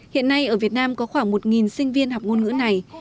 hiện nay ở việt nam có khoảng một sinh viên học ngôn ngữ này